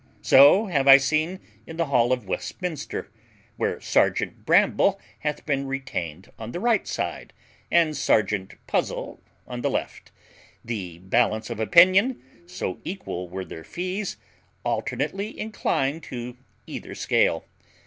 So have I seen, in the hall of Westminster, where Serjeant Bramble hath been retained on the right side, and Serjeant Puzzle on the left, the balance of opinion (so equal were their fees) alternately incline to either scale.